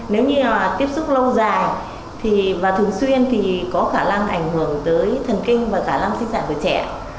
nếu như mà tiếp xúc lâu dài và thường xuyên thì có khả năng ảnh hưởng tới thần kinh và khả năng sinh sản của trẻ